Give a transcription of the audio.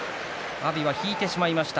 阿炎は引いてしまいました。